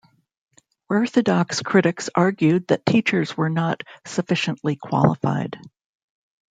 Orthodox critics argued that teachers were not sufficiently qualified.